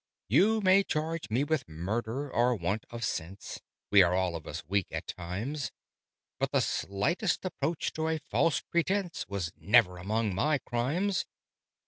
"You may charge me with murder or want of sense (We are all of us weak at times): But the slightest approach to a false pretence Was never among my crimes!